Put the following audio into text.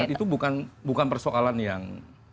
itu bukan persoalan yang